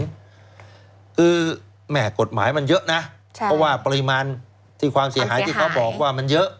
คือแม่กฎหมายมันเยอะนะเพราะว่าปริมาณที่ความเสียหายที่เขาบอกว่ามันเยอะ